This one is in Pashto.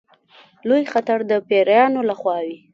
لوی خطر د پیرانو له خوا وي.